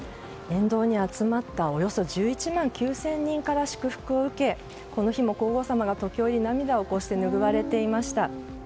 沿道に集まったおよそ１１万９０００人から祝福を受け、この日も皇后さまが時折涙を拭われていました。